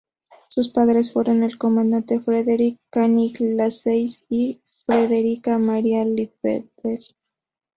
Sus padres fueron el comandante Frederick Canning Lascelles y Frederica Maria Liddell.